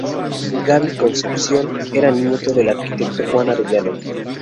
Gabby Concepción era nieto del arquitecto Juan Arellano.